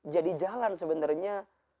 jadi jalan sebenarnya